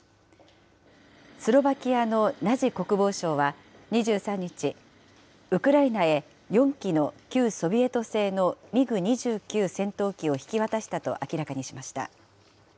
スロバキアのナジ国防相は２３日、ウクライナへ４機の旧ソビエト製のミグ２９戦闘機を引き渡したと明らかにしました。